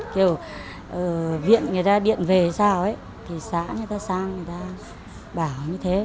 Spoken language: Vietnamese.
kiểu viện người ta điện về sao thì xã người ta sang người ta bảo như thế